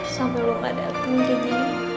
sama lo gak dateng jadi